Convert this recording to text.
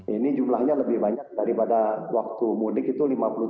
ini jumlahnya lebih banyak daripada waktu mudik itu lima puluh tujuh